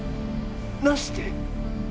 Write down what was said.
なして。